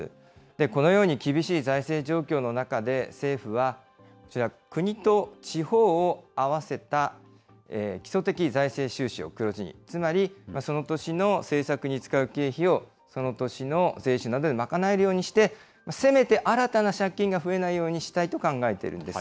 このように厳しい財政状況の中で、政府はこちら、国と地方を合わせた基礎的財政収支を黒字に、つまり、その年の政策に使う経費をその年の税収などで賄えるようにして、せめて新たな借金が増えないようにしたいと考えているんです。